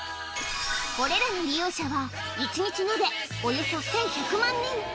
これらの利用者は、１日延べおよそ１１００万人。